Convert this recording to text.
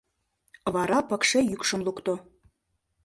Вара пыкше йӱкшым лукто: